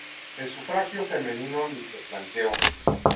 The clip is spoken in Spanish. El sufragio femenino ni se planteó.